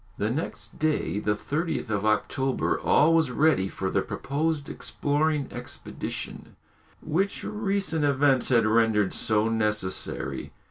The next day, the 30th of October, all was ready for the proposed exploring expedition, which recent events had rendered so necessary.